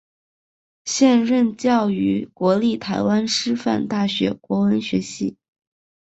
现任教于国立台湾师范大学国文学系。